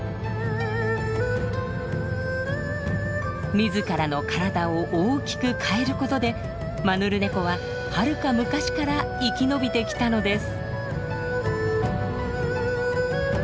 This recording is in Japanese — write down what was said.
自らの体を大きく変えることでマヌルネコははるか昔から生き延びてきたのです。